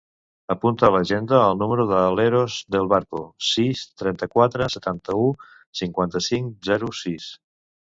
Apunta a l'agenda el número de l'Eros Del Barco: sis, trenta-quatre, setanta-u, cinquanta-cinc, zero, sis.